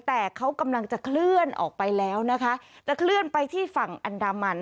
แต่เขากำลังจะเคลื่อนออกไปแล้วนะคะจะเคลื่อนไปที่ฝั่งอันดามัน